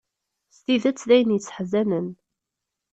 S tidet d ayen isseḥzanen.